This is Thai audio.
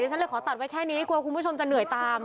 ฉันเลยขอตัดไว้แค่นี้กลัวคุณผู้ชมจะเหนื่อยตาม